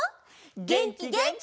げんきげんき！